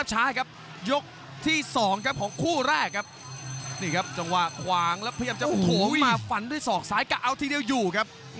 โหมาฝันด้วยศอกสายกะเอาทีเดียวอยู่ครับ